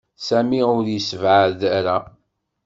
Sami ur yessebɛed ara.